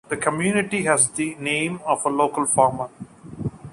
The community has the name of a local farmer.